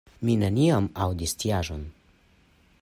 Mi neniam aŭdis tiaĵon.